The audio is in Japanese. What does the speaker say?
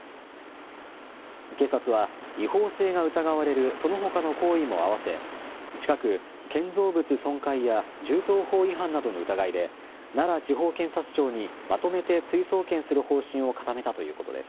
警察は、違法性が疑われるそのほかの行為も合わせ、近く、建造物損壊や銃刀法違反などの疑いで、奈良地方検察庁にまとめて追送検する方針を固めたということです。